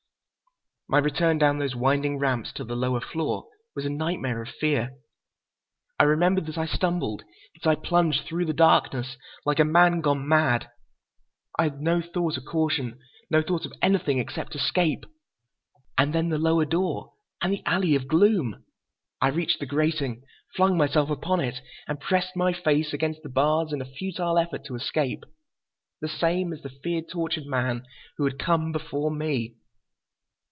My return down those winding ramps to the lower floor was a nightmare of fear. I remember that I stumbled, that I plunged through the darkness like a man gone mad. I had no thought of caution, no thought of anything except escape. And then the lower door, and the alley of gloom. I reached the grating, flung myself upon it and pressed my face against the bars in a futile effort to escape. The same—as the fear tortured man—who had—come before—me.